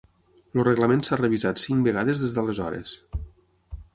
El reglament s'ha revisat cinc vegades des d'aleshores.